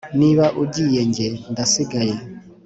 niba ugiye nge ndasigaye,